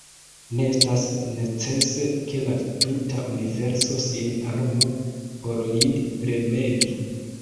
Ne estas necese, ke la tuta universo sin armu, por lin premegi.